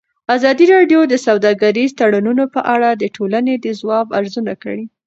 ازادي راډیو د سوداګریز تړونونه په اړه د ټولنې د ځواب ارزونه کړې.